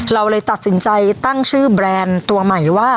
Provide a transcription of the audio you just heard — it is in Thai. เราเลยตัดสินใจตั้งชื่อแบรนด์ตัวใหม่ว่า